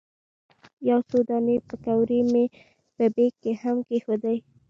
یو څو دانې پیکورې مې په بیک کې هم کېښودې.